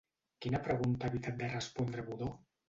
Quina pregunta ha evitat de respondre Budó?